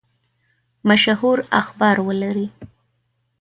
مشهور اخبار ولري.